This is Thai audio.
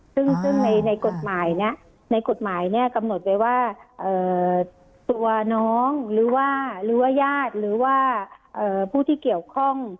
ซึ่งในกฎหมายในกฎหมายกำหนดไว้ว่าตัวน้องหรือว่าหรือว่าญาติหรือว่าผู้ที่เกี่ยวข้อง